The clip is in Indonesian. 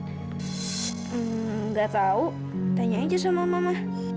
hmm gak tau tanya aja sama mama